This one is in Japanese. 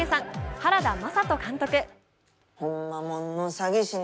原田眞人監督。